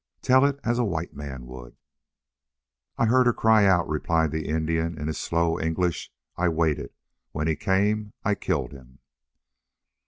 Tell it as a white man would!" "I heard her cry out," replied the Indian, in his slow English. "I waited. When he came I killed him."